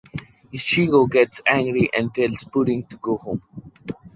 Ichigo gets angry and tells Pudding to go home.